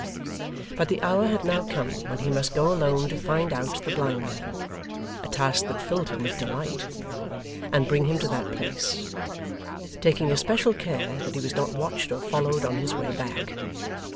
But the hour had now come when he must go alone to find out the blind man (a task that filled him with delight) and bring him to that place; taking especial care that he was not watched or followed on his way back.